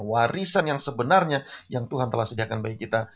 warisan yang sebenarnya yang tuhan telah sediakan bagi kita